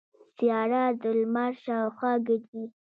سیاره د لمر شاوخوا ګرځي.